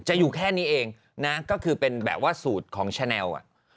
อยู่แค่นี้เองนะก็คือเป็นแบบว่าสูตรของชาแนล